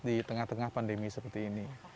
di tengah tengah pandemi seperti ini